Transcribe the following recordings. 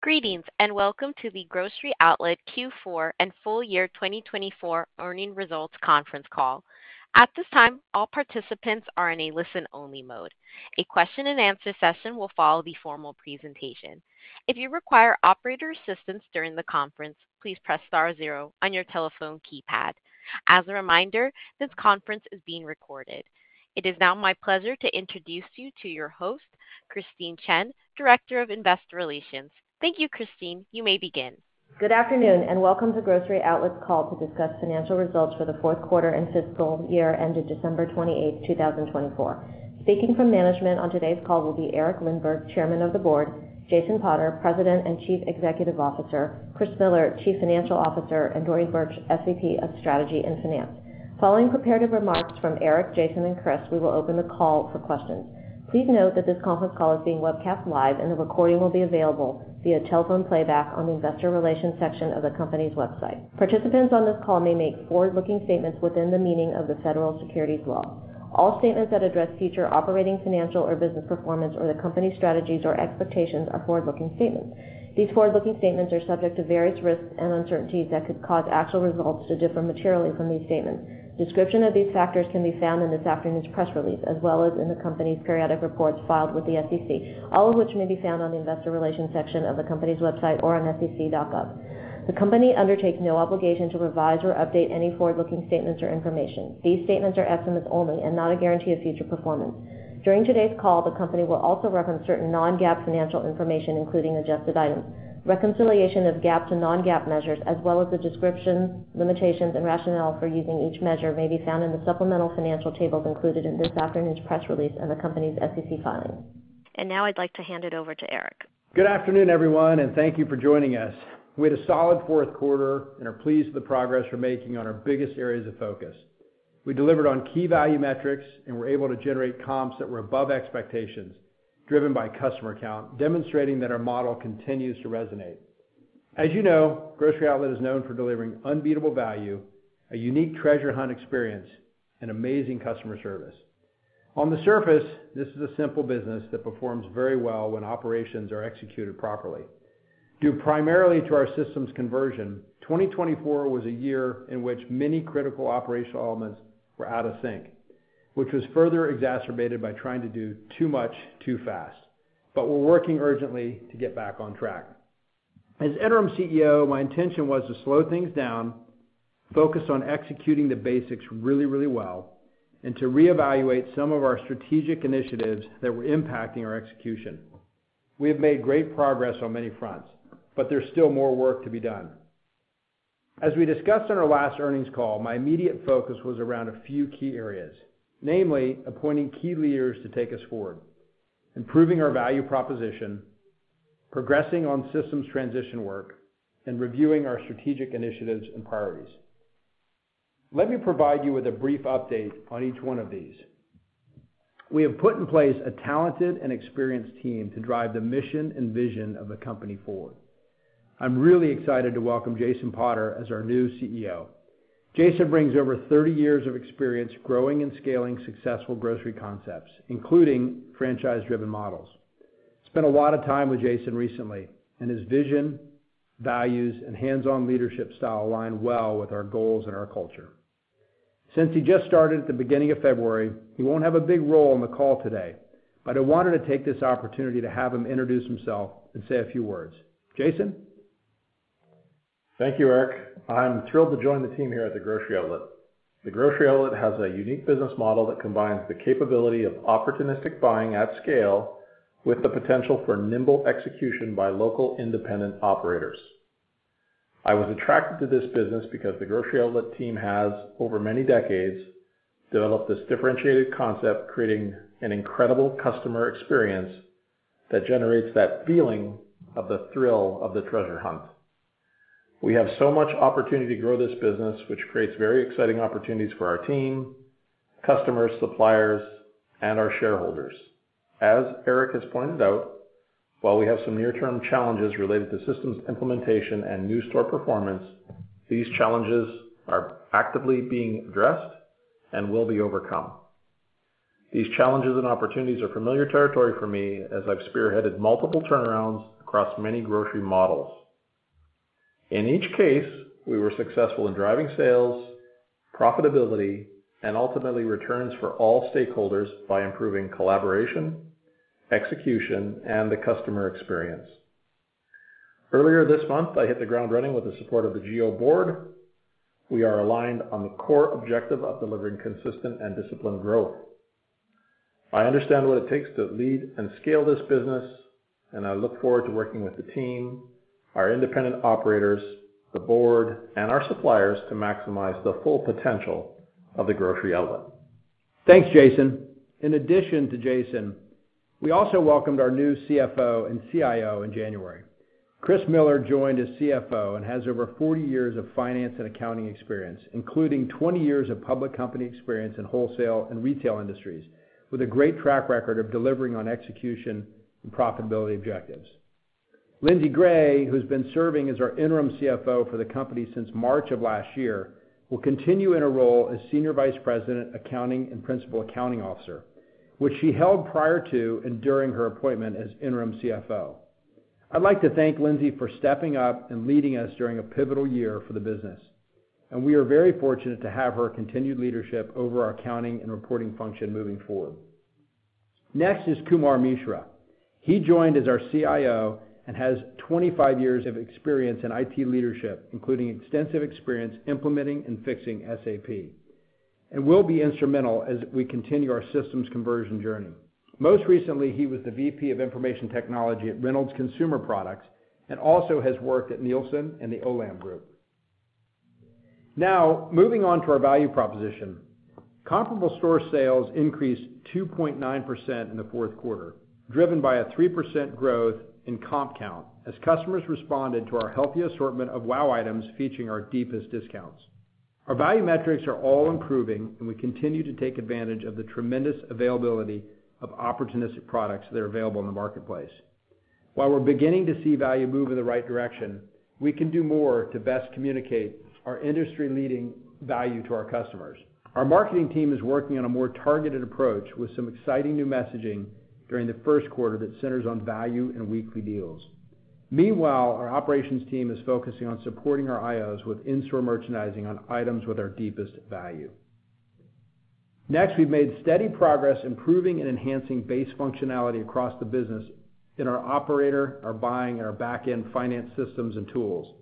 Greetings and welcome to the Grocery Outlet Q4 and full year 2024 earnings results conference call. At this time, all participants are in a listen-only mode. A question-and-answer session will follow the formal presentation. If you require operator assistance during the conference, please press star zero on your telephone keypad. As a reminder, this conference is being recorded. It is now my pleasure to introduce you to your host, Christine Chen, Director of Investor Relations. Thank you, Christine. You may begin. Good afternoon and welcome to Grocery Outlet's call to discuss financial results for the fourth quarter and fiscal year ended December 28th, 2024. Speaking from management on today's call will be Eric Lindberg, Chairman of the Board, Jason Potter, President and Chief Executive Officer, Chris Miller, Chief Financial Officer, and Dorian Bertsch, SVP of Strategy and Finance. Following prepared remarks from Eric, Jason, and Chris, we will open the call for questions. Please note that this conference call is being webcast live and the recording will be available via telephone playback on the Investor Relations section of the company's website. Participants on this call may make forward-looking statements within the meaning of the federal securities law. All statements that address future operating, financial, or business performance or the company's strategies or expectations are forward-looking statements. These forward-looking statements are subject to various risks and uncertainties that could cause actual results to differ materially from these statements. Description of these factors can be found in this afternoon's press release as well as in the company's periodic reports filed with the SEC, all of which may be found on the Investor Relations section of the company's website or on SEC.gov. The company undertakes no obligation to revise or update any forward-looking statements or information. These statements are estimates only and not a guarantee of future performance. During today's call, the company will also reference certain non-GAAP financial information, including adjusted items. Reconciliation of GAAP to non-GAAP measures, as well as the descriptions, limitations, and rationale for using each measure, may be found in the supplemental financial tables included in this afternoon's press release and the company's SEC filing. Now I'd like to hand it over to Eric. Good afternoon, everyone, and thank you for joining us. We had a solid fourth quarter and are pleased with the progress we're making on our biggest areas of focus. We delivered on key value metrics and were able to generate comps that were above expectations, driven by customer count, demonstrating that our model continues to resonate. As you know, Grocery Outlet is known for delivering unbeatable value, a unique treasure hunt experience, and amazing customer service. On the surface, this is a simple business that performs very well when operations are executed properly. Due primarily to our systems conversion, 2024 was a year in which many critical operational elements were out of sync, which was further exacerbated by trying to do too much too fast. But we're working urgently to get back on track. As interim CEO, my intention was to slow things down, focus on executing the basics really, really well, and to reevaluate some of our strategic initiatives that were impacting our execution. We have made great progress on many fronts, but there's still more work to be done. As we discussed on our last earnings call, my immediate focus was around a few key areas, namely appointing key leaders to take us forward, improving our value proposition, progressing on systems transition work, and reviewing our strategic initiatives and priorities. Let me provide you with a brief update on each one of these. We have put in place a talented and experienced team to drive the mission and vision of the company forward. I'm really excited to welcome Jason Potter as our new CEO. Jason brings over 30 years of experience growing and scaling successful grocery concepts, including franchise-driven models. I spent a lot of time with Jason recently, and his vision, values, and hands-on leadership style align well with our goals and our culture. Since he just started at the beginning of February, he won't have a big role on the call today, but I wanted to take this opportunity to have him introduce himself and say a few words. Jason? Thank you, Eric. I'm thrilled to join the team here at the Grocery Outlet. The Grocery Outlet has a unique business model that combines the capability of opportunistic buying at scale with the potential for nimble execution by local, independent operators. I was attracted to this business because the Grocery Outlet team has, over many decades, developed this differentiated concept, creating an incredible customer experience that generates that feeling of the thrill of the treasure hunt. We have so much opportunity to grow this business, which creates very exciting opportunities for our team, customers, suppliers, and our shareholders. As Eric has pointed out, while we have some near-term challenges related to systems implementation and new store performance, these challenges are actively being addressed and will be overcome. These challenges and opportunities are familiar territory for me as I've spearheaded multiple turnarounds across many grocery models. In each case, we were successful in driving sales, profitability, and ultimately returns for all stakeholders by improving collaboration, execution, and the customer experience. Earlier this month, I hit the ground running with the support of the GO Board. We are aligned on the core objective of delivering consistent and disciplined growth. I understand what it takes to lead and scale this business, and I look forward to working with the team, our independent operators, the board, and our suppliers to maximize the full potential of the Grocery Outlet. Thanks, Jason. In addition to Jason, we also welcomed our new CFO and CIO in January. Chris Miller joined as CFO and has over 40 years of finance and accounting experience, including 20 years of public company experience in wholesale and retail industries, with a great track record of delivering on execution and profitability objectives. Lindsay Gray, who's been serving as our interim CFO for the company since March of last year, will continue in her role as Senior Vice President, Accounting, and Principal Accounting Officer, which she held prior to and during her appointment as interim CFO. I'd like to thank Lindsay for stepping up and leading us during a pivotal year for the business, and we are very fortunate to have her continued leadership over our accounting and reporting function moving forward. Next is Kumar Mishra. He joined as our CIO and has 25 years of experience in IT leadership, including extensive experience implementing and fixing SAP, and will be instrumental as we continue our systems conversion journey. Most recently, he was the VP of Information Technology at Reynolds Consumer Products and also has worked at Nielsen and the Olam Group. Now, moving on to our value proposition, comparable store sales increased 2.9% in the fourth quarter, driven by a 3% growth in comp count as customers responded to our healthy assortment of wow items featuring our deepest discounts. Our value metrics are all improving, and we continue to take advantage of the tremendous availability of opportunistic products that are available in the marketplace. While we're beginning to see value move in the right direction, we can do more to best communicate our industry-leading value to our customers. Our marketing team is working on a more targeted approach with some exciting new messaging during the first quarter that centers on value and weekly deals. Meanwhile, our operations team is focusing on supporting our IOs with in-store merchandising on items with our deepest value. Next, we've made steady progress improving and enhancing base functionality across the business in our operator, our buying, and our back-end finance systems and tools.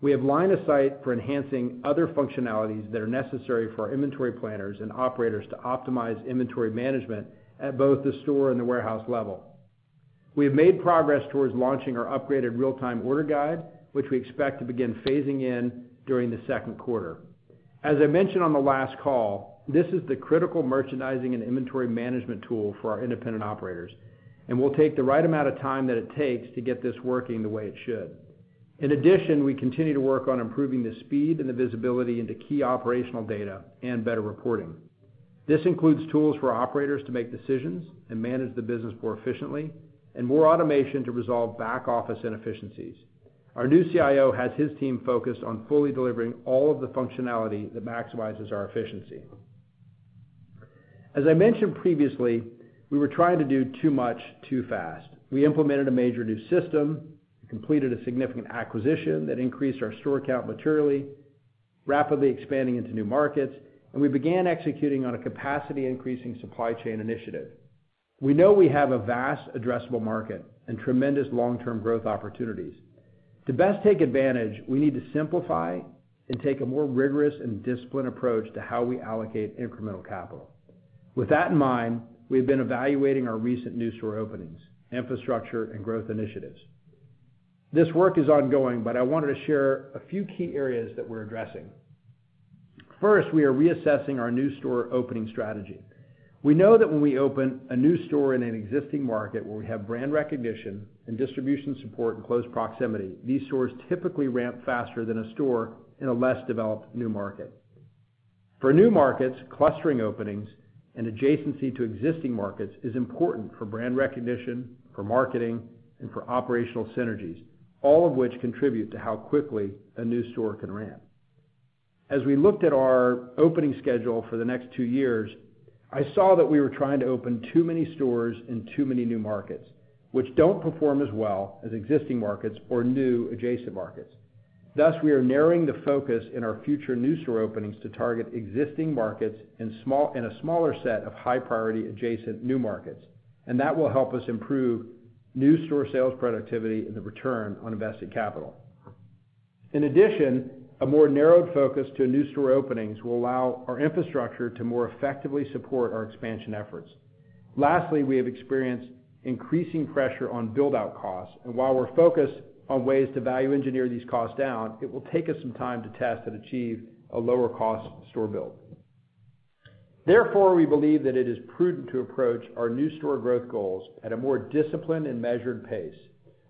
We have lined a site for enhancing other functionalities that are necessary for our inventory planners and operators to optimize inventory management at both the store and the warehouse level. We have made progress towards launching our upgraded Real-Time Order Guide, which we expect to begin phasing in during the second quarter. As I mentioned on the last call, this is the critical merchandising and inventory management tool for our independent operators, and we'll take the right amount of time that it takes to get this working the way it should. In addition, we continue to work on improving the speed and the visibility into key operational data and better reporting. This includes tools for operators to make decisions and manage the business more efficiently, and more automation to resolve back-office inefficiencies. Our new CIO has his team focused on fully delivering all of the functionality that maximizes our efficiency. As I mentioned previously, we were trying to do too much too fast. We implemented a major new system, completed a significant acquisition that increased our store count materially, rapidly expanding into new markets, and we began executing on a capacity-increasing supply chain initiative. We know we have a vast addressable market and tremendous long-term growth opportunities. To best take advantage, we need to simplify and take a more rigorous and disciplined approach to how we allocate incremental capital. With that in mind, we have been evaluating our recent new store openings, infrastructure, and growth initiatives. This work is ongoing, but I wanted to share a few key areas that we're addressing. First, we are reassessing our new store opening strategy. We know that when we open a new store in an existing market where we have brand recognition and distribution support in close proximity, these stores typically ramp faster than a store in a less developed new market. For new markets, clustering openings and adjacency to existing markets is important for brand recognition, for marketing, and for operational synergies, all of which contribute to how quickly a new store can ramp. As we looked at our opening schedule for the next two years, I saw that we were trying to open too many stores in too many new markets, which don't perform as well as existing markets or new adjacent markets. Thus, we are narrowing the focus in our future new store openings to target existing markets and a smaller set of high-priority adjacent new markets, and that will help us improve new store sales productivity and the return on invested capital. In addition, a more narrowed focus to new store openings will allow our infrastructure to more effectively support our expansion efforts. Lastly, we have experienced increasing pressure on build-out costs, and while we're focused on ways to value engineer these costs down, it will take us some time to test and achieve a lower-cost store build. Therefore, we believe that it is prudent to approach our new store growth goals at a more disciplined and measured pace,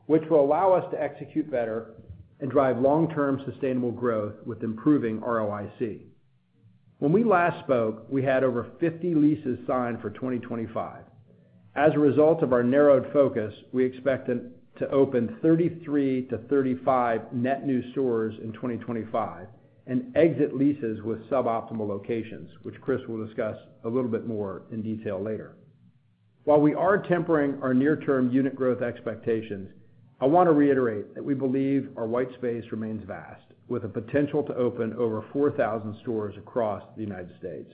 which will allow us to execute better and drive long-term sustainable growth with improving ROIC. When we last spoke, we had over 50 leases signed for 2025. As a result of our narrowed focus, we expect to open 33-35 net new stores in 2025 and exit leases with suboptimal locations, which Chris will discuss a little bit more in detail later. While we are tempering our near-term unit growth expectations, I want to reiterate that we believe our white space remains vast, with a potential to open over 4,000 stores across the United States.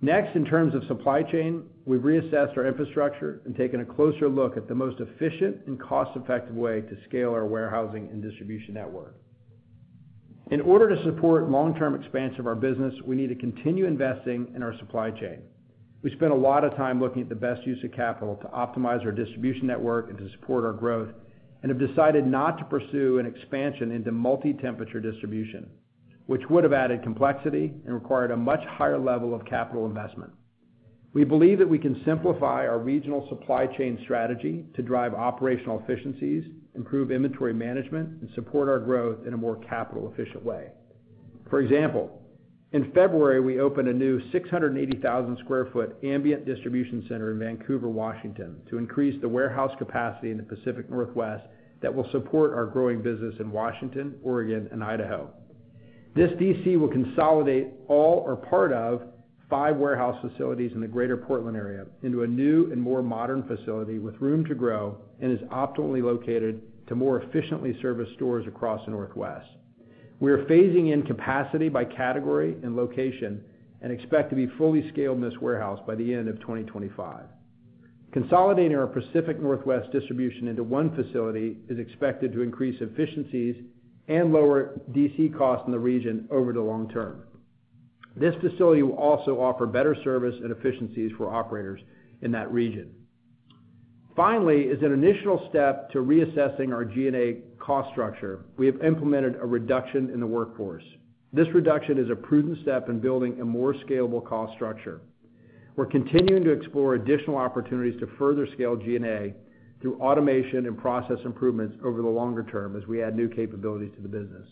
Next, in terms of supply chain, we've reassessed our infrastructure and taken a closer look at the most efficient and cost-effective way to scale our warehousing and distribution network. In order to support long-term expansion of our business, we need to continue investing in our supply chain. We spent a lot of time looking at the best use of capital to optimize our distribution network and to support our growth, and have decided not to pursue an expansion into multi-temperature distribution, which would have added complexity and required a much higher level of capital investment. We believe that we can simplify our regional supply chain strategy to drive operational efficiencies, improve inventory management, and support our growth in a more capital-efficient way. For example, in February, we opened a new 680,000-sq ft ambient distribution center in Vancouver, Washington, to increase the warehouse capacity in the Pacific Northwest that will support our growing business in Washington, Oregon, and Idaho. This DC will consolidate all or part of five warehouse facilities in the greater Portland area into a new and more modern facility with room to grow and is optimally located to more efficiently service stores across the Northwest. We are phasing in capacity by category and location and expect to be fully scaled in this warehouse by the end of 2025. Consolidating our Pacific Northwest distribution into one facility is expected to increase efficiencies and lower DC costs in the region over the long term. This facility will also offer better service and efficiencies for operators in that region. Finally, as an initial step to reassessing our SG&A cost structure, we have implemented a reduction in the workforce. This reduction is a prudent step in building a more scalable cost structure. We're continuing to explore additional opportunities to further scale SG&A through automation and process improvements over the longer term as we add new capabilities to the business.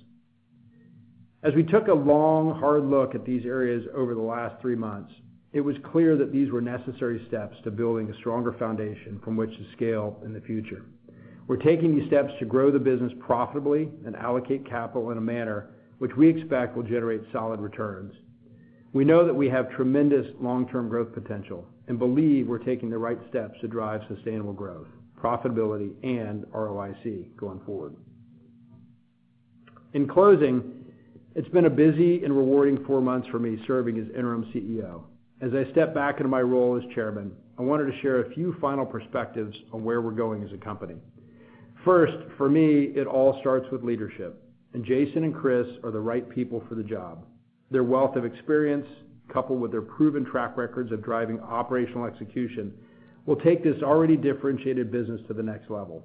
As we took a long, hard look at these areas over the last three months, it was clear that these were necessary steps to building a stronger foundation from which to scale in the future. We're taking these steps to grow the business profitably and allocate capital in a manner which we expect will generate solid returns. We know that we have tremendous long-term growth potential and believe we're taking the right steps to drive sustainable growth, profitability, and ROIC going forward. In closing, it's been a busy and rewarding four months for me serving as Interim CEO. As I step back into my role as Chairman, I wanted to share a few final perspectives on where we're going as a company. First, for me, it all starts with leadership, and Jason and Chris are the right people for the job. Their wealth of experience, coupled with their proven track records of driving operational execution, will take this already differentiated business to the next level.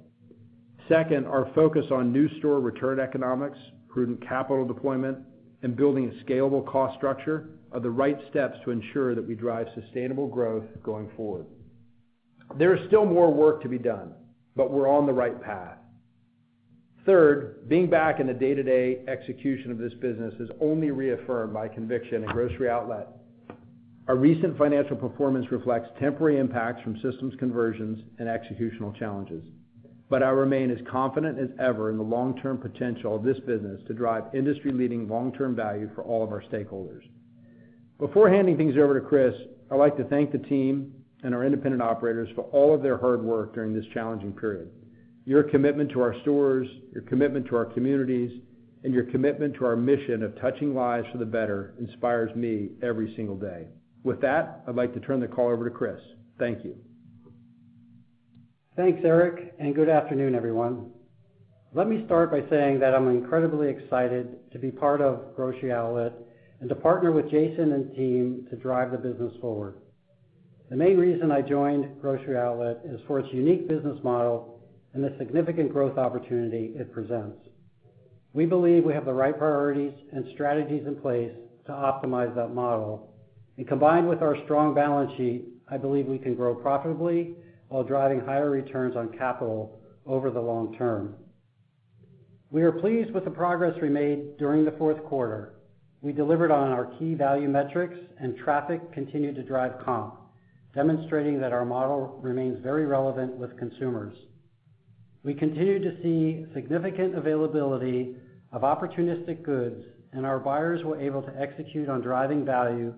Second, our focus on new store return economics, prudent capital deployment, and building a scalable cost structure are the right steps to ensure that we drive sustainable growth going forward. There is still more work to be done, but we're on the right path. Third, being back in the day-to-day execution of this business has only reaffirmed my conviction in Grocery Outlet. Our recent financial performance reflects temporary impacts from systems conversions and executional challenges, but I remain as confident as ever in the long-term potential of this business to drive industry-leading long-term value for all of our stakeholders. Before handing things over to Chris, I'd like to thank the team and our independent operators for all of their hard work during this challenging period. Your commitment to our stores, your commitment to our communities, and your commitment to our mission of touching lives for the better inspires me every single day. With that, I'd like to turn the call over to Chris. Thank you. Thanks, Eric, and good afternoon, everyone. Let me start by saying that I'm incredibly excited to be part of Grocery Outlet and to partner with Jason and team to drive the business forward. The main reason I joined Grocery Outlet is for its unique business model and the significant growth opportunity it presents. We believe we have the right priorities and strategies in place to optimize that model, and combined with our strong balance sheet, I believe we can grow profitably while driving higher returns on capital over the long term. We are pleased with the progress we made during the fourth quarter. We delivered on our key value metrics, and traffic continued to drive comp, demonstrating that our model remains very relevant with consumers. We continue to see significant availability of opportunistic goods, and our buyers were able to execute on driving value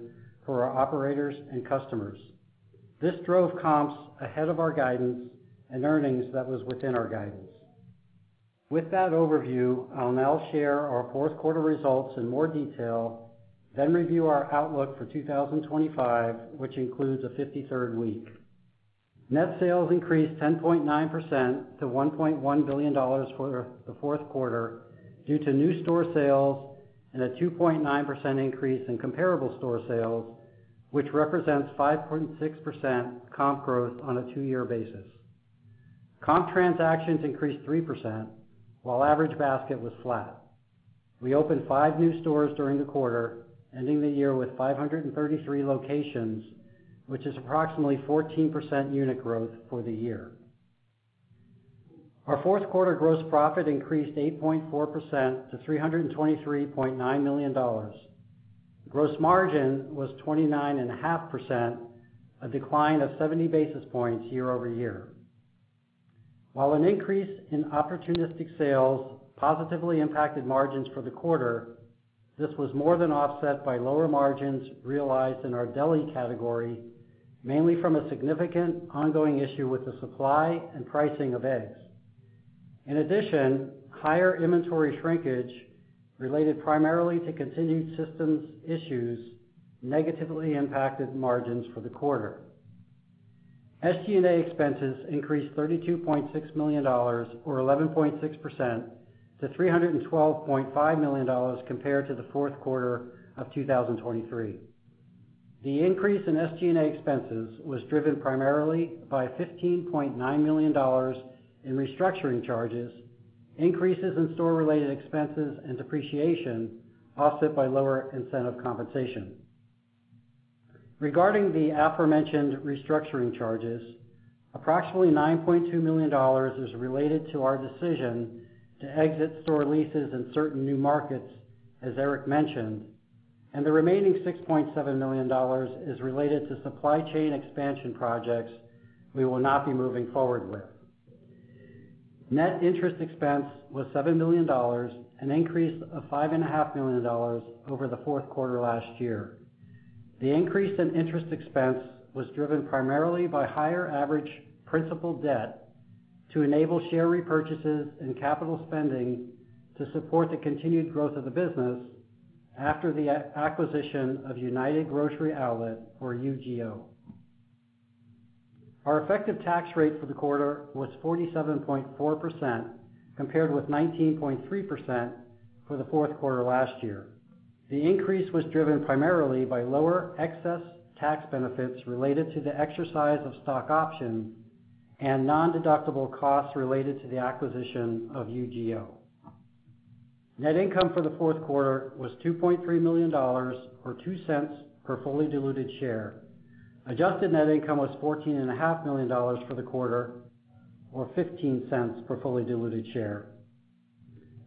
for our operators and customers. This drove comps ahead of our guidance and earnings that was within our guidance. With that overview, I'll now share our fourth quarter results in more detail, then review our outlook for 2025, which includes a 53rd week. Net sales increased 10.9% to $1.1 billion for the fourth quarter due to new store sales and a 2.9% increase in comparable store sales, which represents 5.6% comp growth on a two-year basis. Comp transactions increased 3%, while average basket was flat. We opened five new stores during the quarter, ending the year with 533 locations, which is approximately 14% unit growth for the year. Our fourth quarter gross profit increased 8.4% to $323.9 million. Gross margin was 29.5%, a decline of 70 basis points year-over-year. While an increase in opportunistic sales positively impacted margins for the quarter, this was more than offset by lower margins realized in our deli category, mainly from a significant ongoing issue with the supply and pricing of eggs. In addition, higher inventory shrinkage, related primarily to continued systems issues, negatively impacted margins for the quarter. SG&A expenses increased $32.6 million, or 11.6%, to $312.5 million compared to the fourth quarter of 2023. The increase in SG&A expenses was driven primarily by $15.9 million in restructuring charges, increases in store-related expenses, and depreciation offset by lower incentive compensation. Regarding the aforementioned restructuring charges, approximately $9.2 million is related to our decision to exit store leases in certain new markets, as Eric mentioned, and the remaining $6.7 million is related to supply chain expansion projects we will not be moving forward with. Net interest expense was $7 million, an increase of $5.5 million over the fourth quarter last year. The increase in interest expense was driven primarily by higher average principal debt to enable share repurchases and capital spending to support the continued growth of the business after the acquisition of United Grocery Outlet, or UGO. Our effective tax rate for the quarter was 47.4%, compared with 19.3% for the fourth quarter last year. The increase was driven primarily by lower excess tax benefits related to the exercise of stock options and non-deductible costs related to the acquisition of UGO. Net income for the fourth quarter was $2.3 million, or $0.02 per fully diluted share. Adjusted net income was $14.5 million for the quarter, or $0.15 per fully diluted share.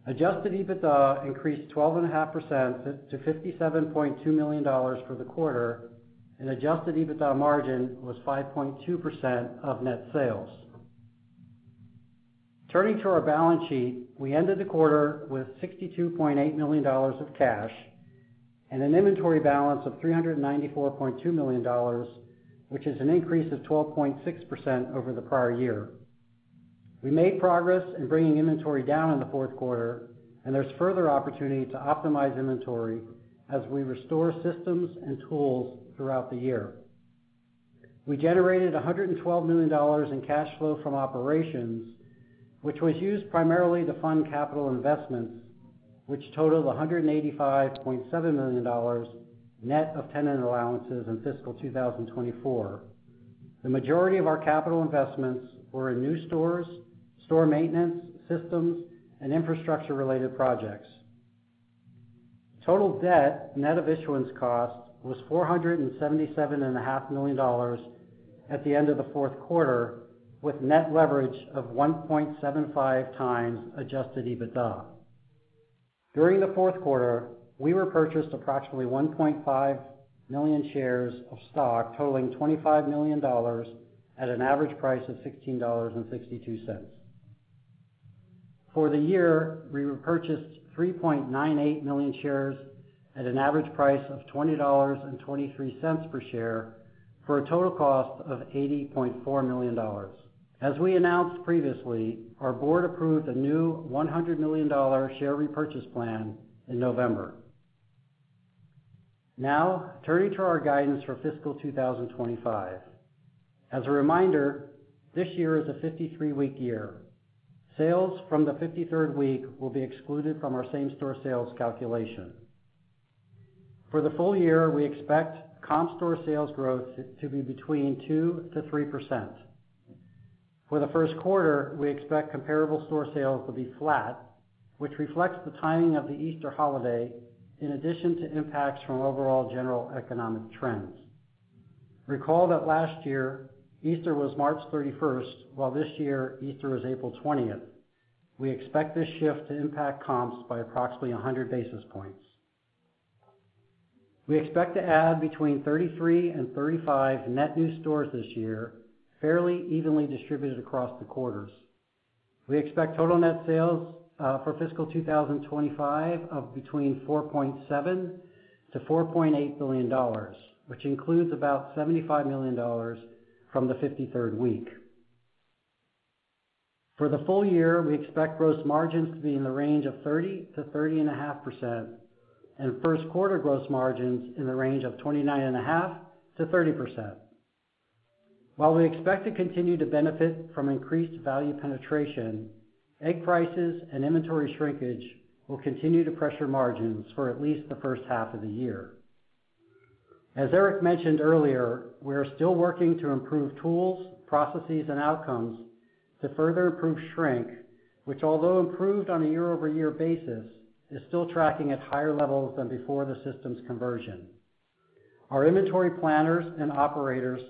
Adjusted EBITDA increased 12.5% to $57.2 million for the quarter, and adjusted EBITDA margin was 5.2% of net sales. Turning to our balance sheet, we ended the quarter with $62.8 million of cash and an inventory balance of $394.2 million, which is an increase of 12.6% over the prior year. We made progress in bringing inventory down in the fourth quarter, and there's further opportunity to optimize inventory as we restore systems and tools throughout the year. We generated $112 million in cash flow from operations, which was used primarily to fund capital investments, which totaled $185.7 million net of tenant allowances in fiscal 2024. The majority of our capital investments were in new stores, store maintenance, systems, and infrastructure-related projects. Total debt, net of issuance cost, was $477.5 million at the end of the fourth quarter, with net leverage of 1.75x Adjusted EBITDA. During the fourth quarter, we repurchased approximately 1.5 million shares of stock totaling $25 million at an average price of $16.62. For the year, we repurchased 3.98 million shares at an average price of $20.23 per share for a total cost of $80.4 million. As we announced previously, our board approved a new $100 million share repurchase plan in November. Now, turning to our guidance for fiscal 2025. As a reminder, this year is a 53-week year. Sales from the 53rd week will be excluded from our same-store sales calculation. For the full year, we expect comp store sales growth to be between 2%-3%. For the first quarter, we expect comparable store sales to be flat, which reflects the timing of the Easter holiday, in addition to impacts from overall general economic trends. Recall that last year, Easter was March 31st, while this year, Easter is April 20th. We expect this shift to impact comps by approximately 100 basis points. We expect to add between 33 and 35 net new stores this year, fairly evenly distributed across the quarters. We expect total net sales for fiscal 2025 of between $4.7 billion-$4.8 billion, which includes about $75 million from the 53rd week. For the full year, we expect gross margins to be in the range of 30%-30.5%, and first quarter gross margins in the range of 29.5%-30%. While we expect to continue to benefit from increased value penetration, egg prices and inventory shrinkage will continue to pressure margins for at least the first half of the year. As Eric mentioned earlier, we are still working to improve tools, processes, and outcomes to further improve shrink, which, although improved on a year-over-year basis, is still tracking at higher levels than before the systems conversion. Our inventory planners and operators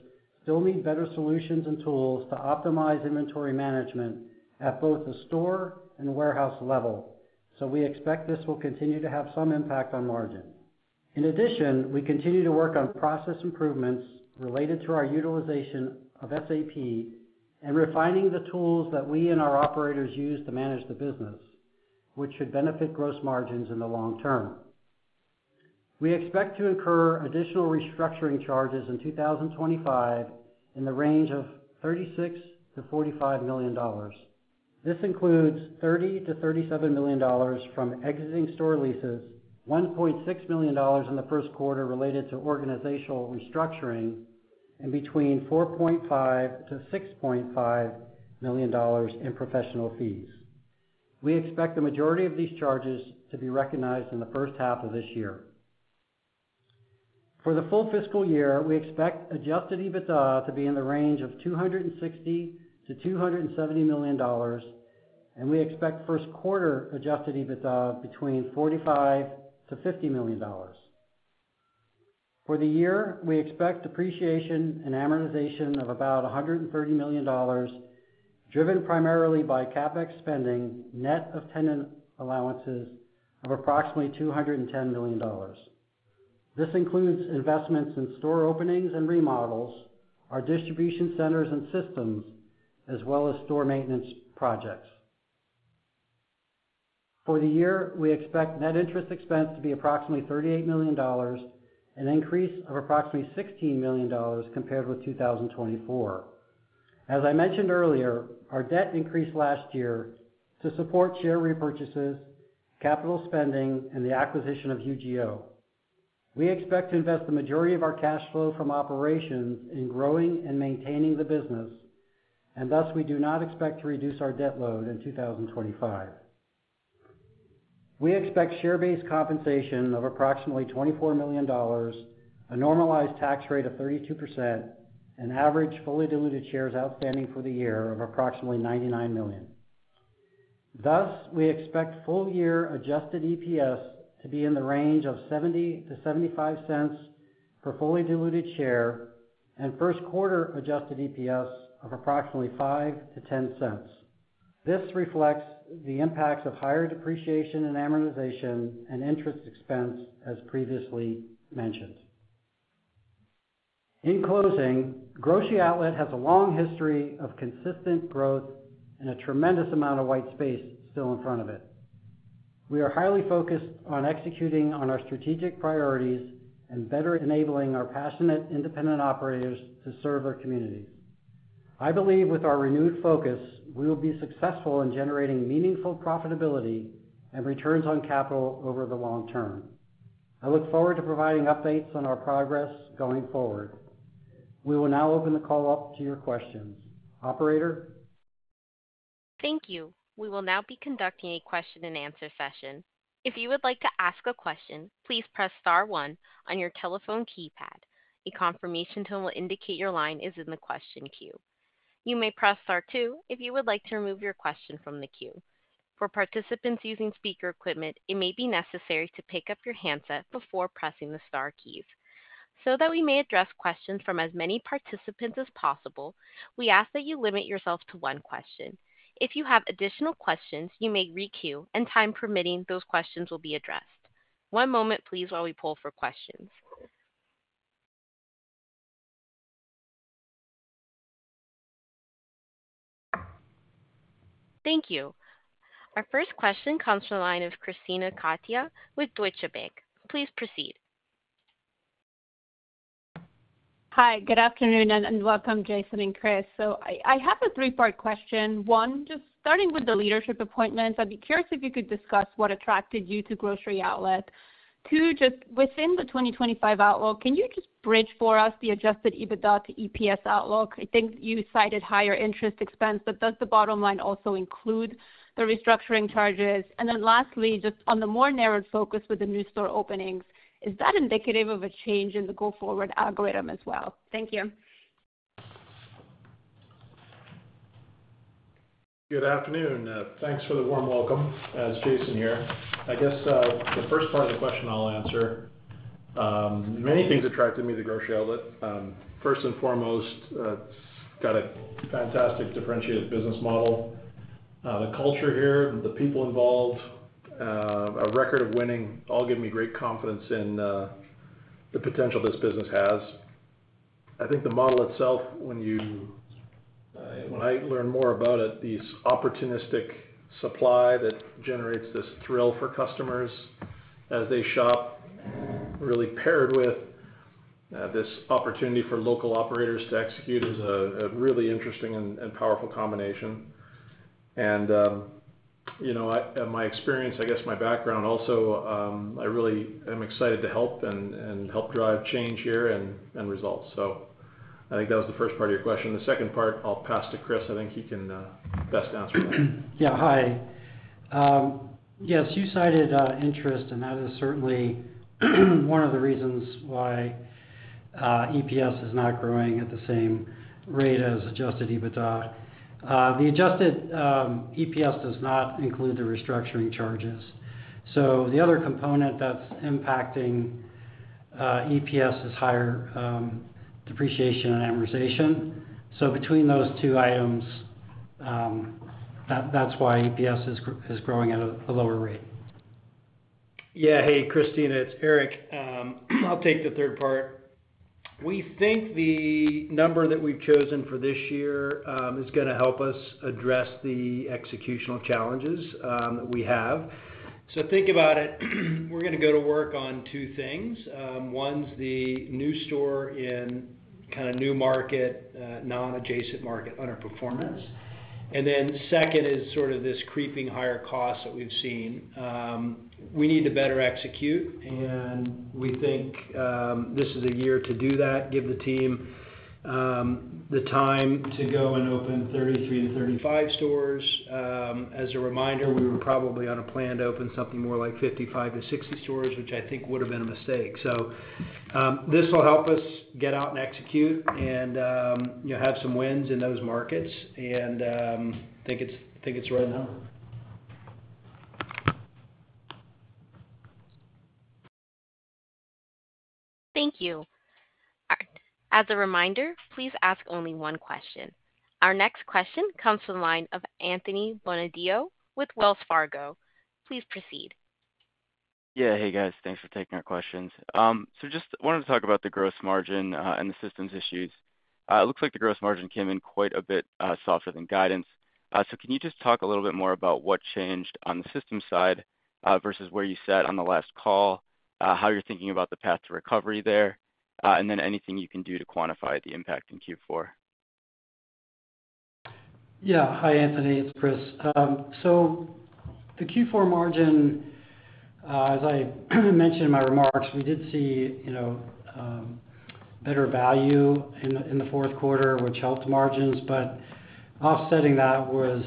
still need better solutions and tools to optimize inventory management at both the store and warehouse level, so we expect this will continue to have some impact on margin. In addition, we continue to work on process improvements related to our utilization of SAP and refining the tools that we and our operators use to manage the business, which should benefit gross margins in the long term. We expect to incur additional restructuring charges in 2025 in the range of $36 million-$45 million. This includes $30 million-$37 million from exiting store leases, $1.6 million in the first quarter related to organizational restructuring, and between $4.5 million-$6.5 million in professional fees. We expect the majority of these charges to be recognized in the first half of this year. For the full fiscal year, we expect Adjusted EBITDA to be in the range of $260 million to $270 million, and we expect first quarter Adjusted EBITDA between $45 million-$50 million. For the year, we expect depreciation and amortization of about $130 million, driven primarily by CapEx spending, net of tenant allowances of approximately $210 million. This includes investments in store openings and remodels, our distribution centers and systems, as well as store maintenance projects. For the year, we expect net interest expense to be approximately $38 million, an increase of approximately $16 million compared with 2024. As I mentioned earlier, our debt increased last year to support share repurchases, capital spending, and the acquisition of UGO. We expect to invest the majority of our cash flow from operations in growing and maintaining the business, and thus we do not expect to reduce our debt load in 2025. We expect share-based compensation of approximately $24 million, a normalized tax rate of 32%, and average fully diluted shares outstanding for the year of approximately 99 million. Thus, we expect full-year adjusted EPS to be in the range of $0.70-$0.75 per fully diluted share and first quarter adjusted EPS of approximately $0.05-$0.10. This reflects the impacts of higher depreciation and amortization and interest expense, as previously mentioned. In closing, Grocery Outlet has a long history of consistent growth and a tremendous amount of white space still in front of it. We are highly focused on executing on our strategic priorities and better enabling our passionate independent operators to serve their communities. I believe with our renewed focus, we will be successful in generating meaningful profitability and returns on capital over the long term. I look forward to providing updates on our progress going forward. We will now open the call up to your questions. Operator. Thank you. We will now be conducting a question-and-answer session. If you would like to ask a question, please press star one on your telephone keypad. A confirmation tone will indicate your line is in the question queue. You may press star two if you would like to remove your question from the queue. For participants using speaker equipment, it may be necessary to pick up your handset before pressing the star keys. So that we may address questions from as many participants as possible, we ask that you limit yourself to one question. If you have additional questions, you may re-queue, and time permitting, those questions will be addressed. One moment, please, while we pull for questions. Thank you. Our first question comes from the line of Krisztina Katai with Deutsche Bank. Please proceed. Good afternoon and welcome, Jason and Chris. So I have a three-part question. One, just starting with the leadership appointments, I'd be curious if you could discuss what attracted you to Grocery Outlet. Two, just within the 2025 outlook, can you just bridge for us the Adjusted EBITDA to EPS outlook? I think you cited higher interest expense, but does the bottom line also include the restructuring charges? And then lastly, just on the more narrowed focus with the new store openings, is that indicative of a change in the go-forward algorithm as well? Thank you. Good afternoon. Thanks for the warm welcome. It's Jason here. I guess the first part of the question I'll answer. Many things attracted me to Grocery Outlet. First and foremost, it's got a fantastic differentiated business model. The culture here, the people involved, a record of winning, all give me great confidence in the potential this business has. I think the model itself, when I learn more about it, this opportunistic supply that generates this thrill for customers as they shop, really paired with this opportunity for local operators to execute is a really interesting and powerful combination and my experience, I guess my background also, I really am excited to help and help drive change here and results, so I think that was the first part of your question. The second part, I'll pass to Chris. I think he can best answer that. Yeah. Hi. Yes, you cited interest, and that is certainly one of the reasons why EPS is not growing at the same rate as Adjusted EBITDA. The Adjusted EPS does not include the restructuring charges. The other component that's impacting EPS is higher depreciation and amortization. So between those two items, that's why EPS is growing at a lower rate. Yeah. Hey, Christine, it's Eric. I'll take the third part. We think the number that we've chosen for this year is going to help us address the executional challenges that we have. So think about it, we're going to go to work on two things. One's the new store in kind of new market, non-adjacent market, underperformance. And then second is sort of this creeping higher cost that we've seen. We need to better execute, and we think this is a year to do that, give the team the time to go and open 33-35 stores. As a reminder, we were probably on a plan to open something more like 55-60 stores, which I think would have been a mistake. So this will help us get out and execute and have some wins in those markets, and I think it's right now. Thank you. All right. As a reminder, please ask only one question. Our next question comes from the line of Anthony Bonadio with Wells Fargo. Please proceed. Yeah. Hey, guys. Thanks for taking our questions. So just wanted to talk about the gross margin and the systems issues. It looks like the gross margin came in quite a bit softer than guidance. So can you just talk a little bit more about what changed on the system side versus where you sat on the last call, how you're thinking about the path to recovery there, and then anything you can do to quantify the impact in Q4? Yeah. Hi, Anthony. It's Chris. So the Q4 margin, as I mentioned in my remarks, we did see better value in the fourth quarter, which helped margins. But offsetting that was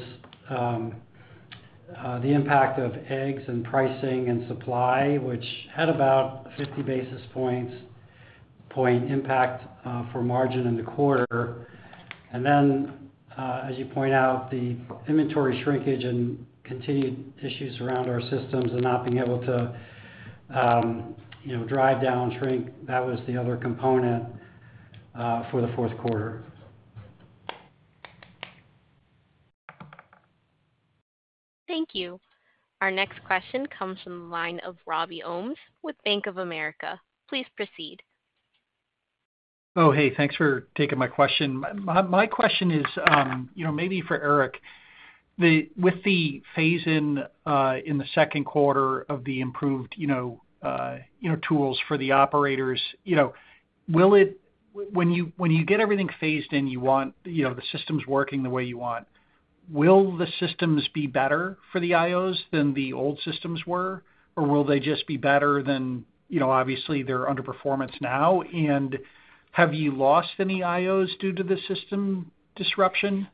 the impact of eggs and pricing and supply, which had about 50 basis points impact for margin in the quarter. And then, as you point out, the inventory shrinkage and continued issues around our systems and not being able to drive down shrink, that was the other component for the fourth quarter. Thank you. Our next question comes from the line of Robbie Ohmes with Bank of America. Please proceed. Oh, hey, thanks for taking my question. My question is maybe for Eric. With the phase-in in the second quarter of the improved tools for the operators, when you get everything phased in, you want the systems working the way you want. Will the systems be better for the IOs than the old systems were, or will they just be better than obviously they're underperformance now? And have you lost any IOs due to the system disruption?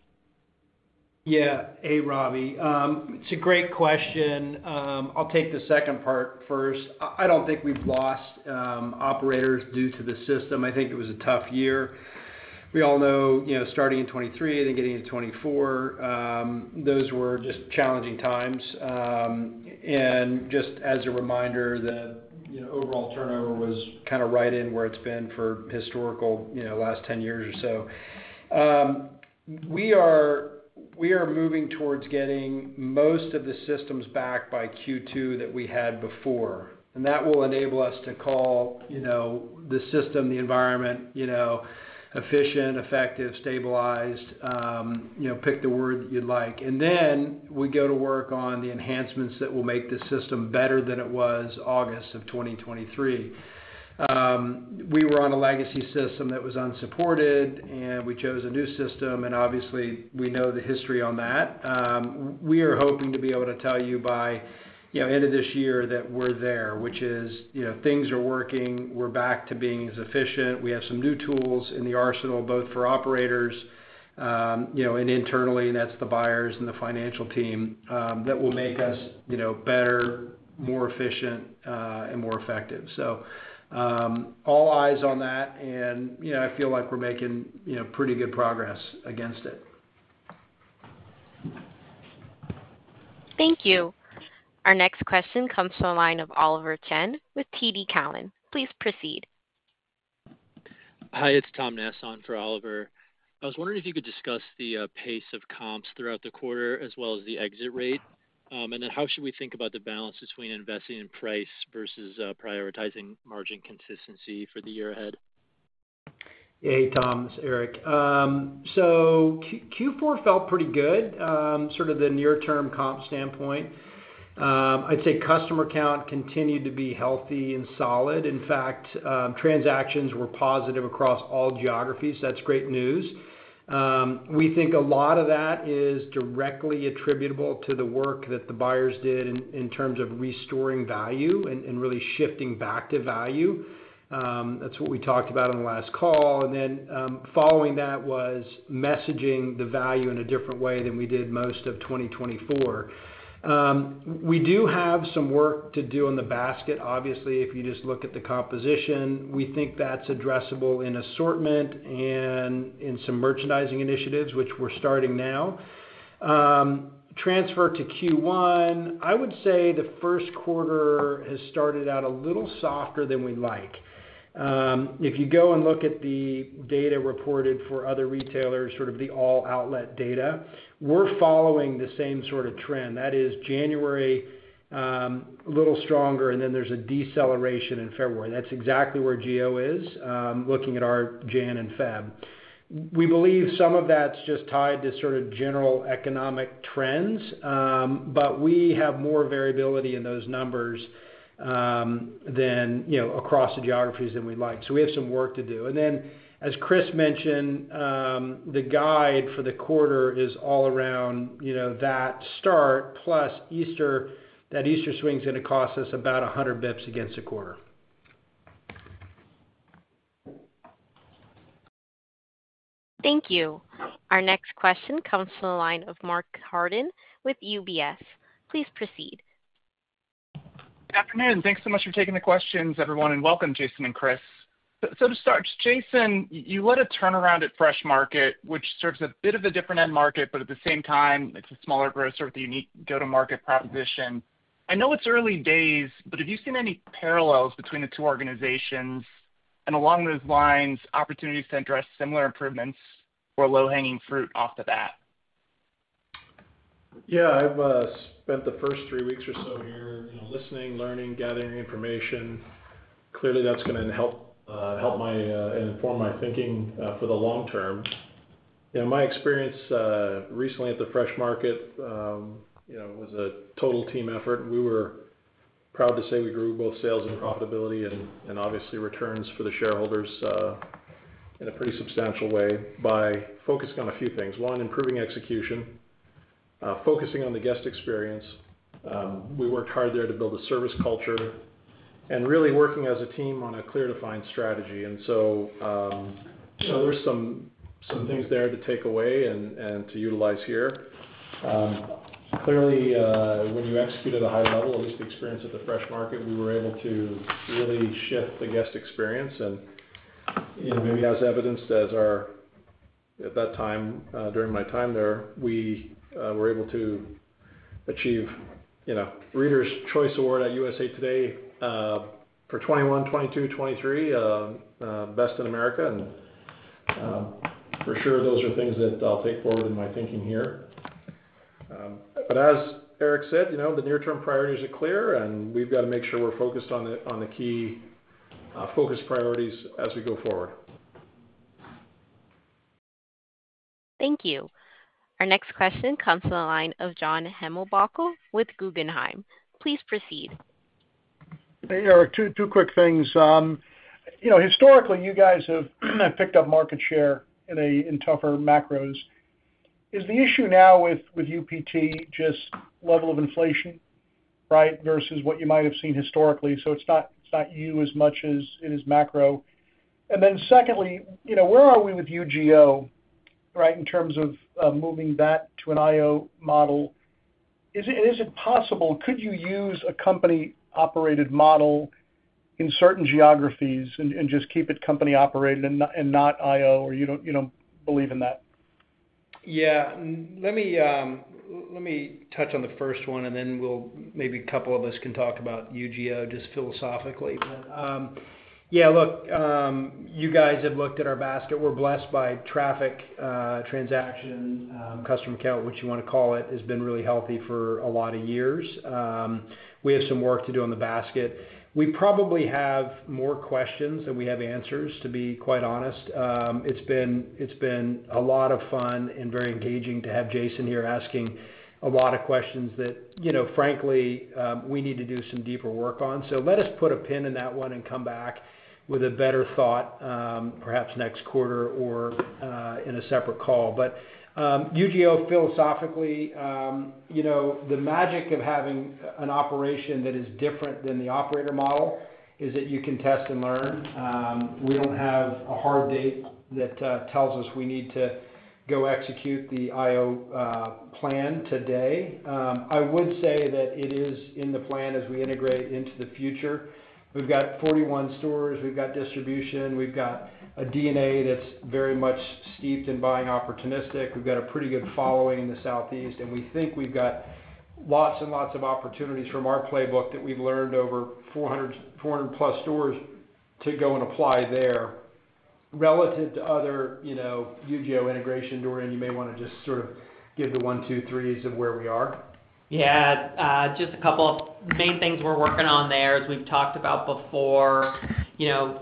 Yeah. Hey, Robbie. It's a great question. I'll take the second part first. I don't think we've lost operators due to the system. I think it was a tough year. We all know starting in 2023 and then getting into 2024, those were just challenging times. And just as a reminder, the overall turnover was kind of right in where it's been for historical last 10 years or so. We are moving towards getting most of the systems back by Q2 that we had before. And that will enable us to call the system, the environment, efficient, effective, stabilized, pick the word that you'd like. And then we go to work on the enhancements that will make the system better than it was August of 2023. We were on a legacy system that was unsupported, and we chose a new system. And obviously, we know the history on that. We are hoping to be able to tell you by end of this year that we're there, which is things are working. We're back to being as efficient. We have some new tools in the arsenal, both for operators and internally, and that's the buyers and the financial team that will make us better, more efficient, and more effective. So all eyes on that, and I feel like we're making pretty good progress against it. Thank you. Our next question comes from the line of Oliver Chen with TD Cowen. Please proceed. Hi. It's Tom Nass for Oliver. I was wondering if you could discuss the pace of comps throughout the quarter as well as the exit rate. And then how should we think about the balance between investing in price versus prioritizing margin consistency for the year ahead? Yeah. Hey, Tom. This is Eric. So Q4 felt pretty good, sort of the near-term comps standpoint. I'd say customer count continued to be healthy and solid. In fact, transactions were positive across all geographies. That's great news. We think a lot of that is directly attributable to the work that the buyers did in terms of restoring value and really shifting back to value. That's what we talked about on the last call. And then following that was messaging the value in a different way than we did most of 2024. We do have some work to do on the basket. Obviously, if you just look at the composition, we think that's addressable in assortment and in some merchandising initiatives, which we're starting now. Turning to Q1, I would say the first quarter has started out a little softer than we'd like. If you go and look at the data reported for other retailers, sort of the all-outlet data, we're following the same sort of trend. That is January, a little stronger, and then there's a deceleration in February. That's exactly where GO is, looking at our January and February. We believe some of that's just tied to sort of general economic trends, but we have more variability in those numbers across the geographies than we'd like. So we have some work to do. And then, as Chris mentioned, the guide for the quarter is all around that start, plus Easter. That Easter swing's going to cost us about 100 basis points against the quarter. Thank you. Our next question comes from the line of Mark Carden with UBS. Please proceed. Good afternoon. Thanks so much for taking the questions, everyone, and welcome, Jason and Chris. So to start, Jason, you led a turnaround at The Fresh Market, which serves a bit of a different-end market, but at the same time, it's a smaller grocer with a unique go-to-market proposition. I know it's early days, but have you seen any parallels between the two organizations and along those lines, opportunities to address similar improvements or low-hanging fruit off the bat? Yeah. I've spent the first three weeks or so here listening, learning, gathering information. Clearly, that's going to help and inform my thinking for the long term. My experience recently at The Fresh Market was a total team effort. We were proud to say we grew both sales and profitability and obviously returns for the shareholders in a pretty substantial way by focusing on a few things. One, improving execution, focusing on the guest experience. We worked hard there to build a service culture and really working as a team on a clear-defined strategy. There's some things there to take away and to utilize here. Clearly, when you execute at a high level, at least the experience at The Fresh Market, we were able to really shift the guest experience. Maybe as evidenced by our at that time, during my time there, we were able to achieve Reader's Choice Award at USA TODAY for 2021, 2022, 2023, best in America. For sure, those are things that I'll take forward in my thinking here. But as Eric said, the near-term priorities are clear, and we've got to make sure we're focused on the key focus priorities as we go forward. Thank you. Our next question comes from the line of John Heinbockel with Guggenheim. Please proceed. Hey, Eric, two quick things. Historically, you guys have picked up market share in tougher macros. Is the issue now with UPT just level of inflation, right, versus what you might have seen historically? So it's not you as much as it is macro. And then secondly, where are we with UGO, right, in terms of moving that to an IO model? And is it possible? Could you use a company-operated model in certain geographies and just keep it company-operated and not IO, or you don't believe in that? Yeah. Let me touch on the first one, and then maybe a couple of us can talk about UGO just philosophically. Yeah. Look, you guys have looked at our basket. We're blessed by traffic, transaction, customer count, what you want to call it, has been really healthy for a lot of years. We have some work to do on the basket. We probably have more questions than we have answers, to be quite honest. It's been a lot of fun and very engaging to have Jason here asking a lot of questions that, frankly, we need to do some deeper work on. So let us put a pin in that one and come back with a better thought perhaps next quarter or in a separate call. But UGO, philosophically, the magic of having an operation that is different than the operator model is that you can test and learn. We don't have a hard date that tells us we need to go execute the IO plan today. I would say that it is in the plan as we integrate into the future. We've got 41 stores. We've got distribution. We've got a DNA that's very much steeped in buying opportunistic. We've got a pretty good following in the Southeast, and we think we've got lots and lots of opportunities from our playbook that we've learned over 400-plus stores to go and apply there relative to other UGO integration. Dorian, you may want to just sort of give the one, two, threes of where we are. Yeah. Just a couple of main things we're working on there, as we've talked about before.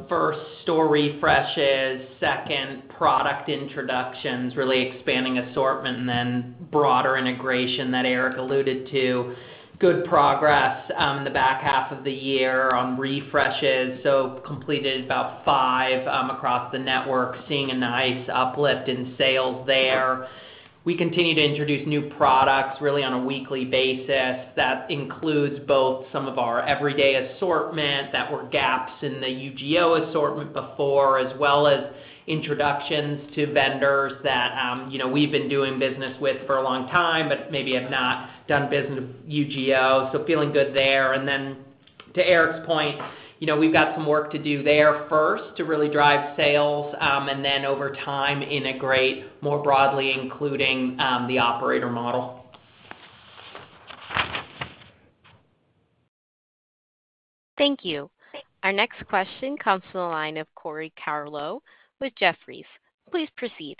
First, store refreshes. Second, product introductions, really expanding assortment and then broader integration that Eric alluded to. Good progress in the back half of the year on refreshes. So completed about five across the network, seeing a nice uplift in sales there. We continue to introduce new products really on a weekly basis. That includes both some of our everyday assortment that were gaps in the UGO assortment before, as well as introductions to vendors that we've been doing business with for a long time but maybe have not done business with UGO. So feeling good there. And then to Eric's point, we've got some work to do there first to really drive sales and then over time integrate more broadly, including the operator model. Thank you. Our next question comes from the line of Corey Tarlowe with Jefferies. Please proceed.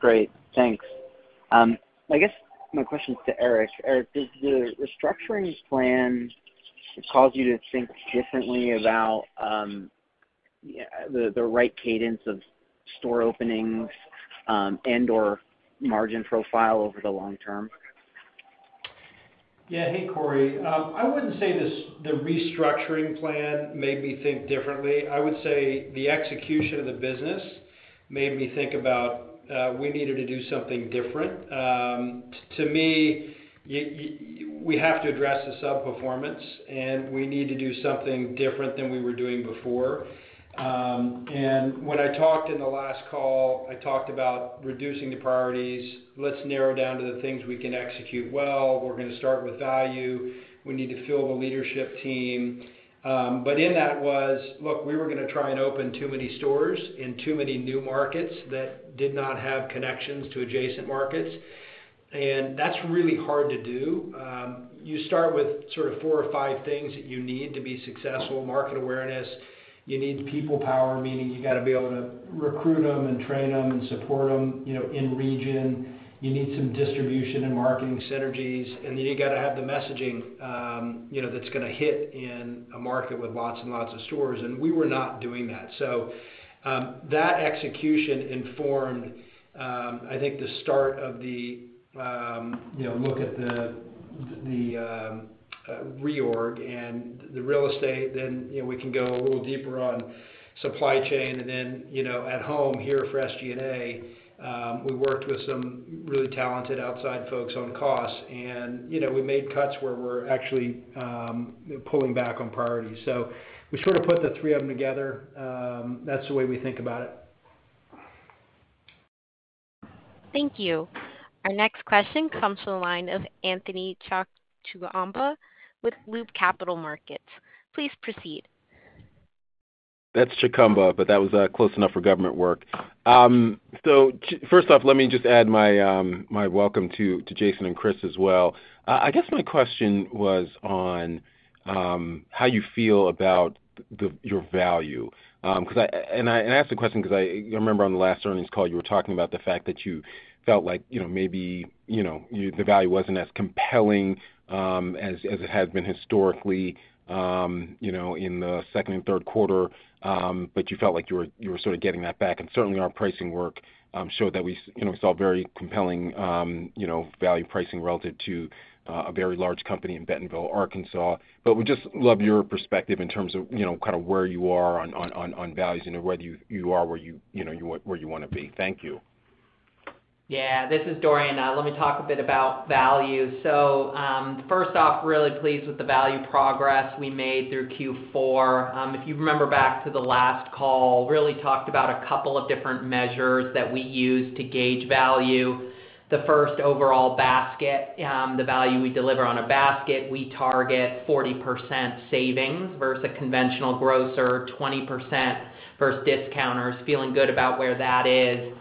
Great. Thanks. I guess my question is to Eric. Eric, does the restructuring plan cause you to think differently about the right cadence of store openings and/or margin profile over the long term? Yeah. Hey, Corey. I wouldn't say the restructuring plan made me think differently. I would say the execution of the business made me think about we needed to do something different. To me, we have to address the underperformance, and we need to do something different than we were doing before. And when I talked in the last call, I talked about reducing the priorities. Let's narrow down to the things we can execute well. We're going to start with value. We need to fill the leadership team. But in that was, look, we were going to try and open too many stores in too many new markets that did not have connections to adjacent markets. And that's really hard to do. You start with sort of four or five things that you need to be successful: market awareness. You need people power, meaning you got to be able to recruit them and train them and support them in region. You need some distribution and marketing synergies, and then you got to have the messaging that's going to hit in a market with lots and lots of stores. And we were not doing that. So that execution informed, I think, the start of the look at the reorg and the real estate. Then we can go a little deeper on supply chain, and then at home here for SG&A, we worked with some really talented outside folks on costs. And we made cuts where we're actually pulling back on priorities. So we sort of put the three of them together. That's the way we think about it. Thank you. Our next question comes from the line of Anthony Chukumba with Loop Capital Markets. Please proceed. That's Chukumba, but that was close enough for government work. So first off, let me just add my welcome to Jason and Chris as well. I guess my question was on how you feel about your value. And I asked the question because I remember on the last earnings call, you were talking about the fact that you felt like maybe the value wasn't as compelling as it has been historically in the second and third quarter, but you felt like you were sort of getting that back. And certainly, our pricing work showed that we saw very compelling value pricing relative to a very large company in Bentonville, Arkansas. But we just love your perspective in terms of kind of where you are on values and where you are where you want to be. Thank you. Yeah. This is Dorian. Let me talk a bit about value. So, first off, really pleased with the value progress we made through Q4. If you remember back to the last call, really talked about a couple of different measures that we use to gauge value. The first overall basket, the value we deliver on a basket, we target 40% savings versus a conventional grocer, 20% versus discounters, feeling good about where that is.